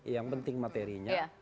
yang penting materinya